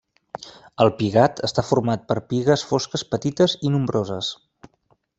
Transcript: El pigat està format per pigues fosques petites i nombroses.